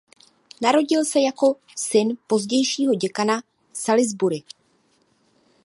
Narodil se jako syn pozdějšího děkana v Salisbury.